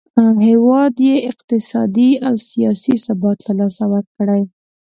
هیواد یې اقتصادي او سیاسي ثبات له لاسه ورکړی.